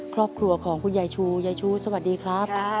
ครอบครัวของคุณยายชูยายชูสวัสดีครับ